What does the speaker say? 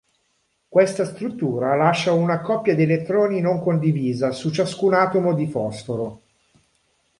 Questa struttura lascia una coppia di elettroni non condivisa su ciascun atomo di fosforo.